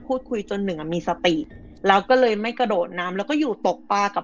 จนหนึ่งอ่ะมีสติแล้วก็เลยไม่กระโดดน้ำแล้วก็อยู่ตกปลากับ